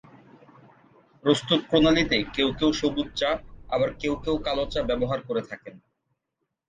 প্রস্তুত প্রণালীতে কেউ কেউ সবুজ চা, আবার কেউ কেউ কালো চা ব্যবহার করে থাকেন।